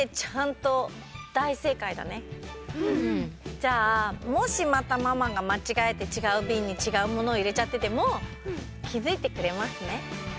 じゃあもしまたママがまちがえてちがうビンにちがうものをいれちゃっててもきづいてくれますね。